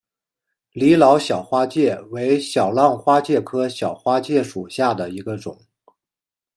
李老小花介为小浪花介科小花介属下的一个种。